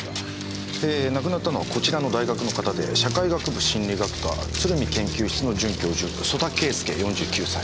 亡くなったのはこちらの大学の方で社会学部心理学科鶴見研究室の准教授曽田敬助４９歳。